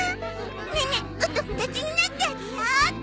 ネネお友達になってあげようっと。